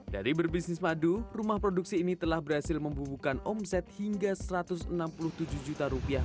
dari berbisnis madu rumah produksi ini telah berhasil membubuhkan omset hingga satu ratus enam puluh tujuh juta rupiah